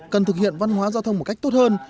cần thực hiện văn hóa giao thông một cách tốt hơn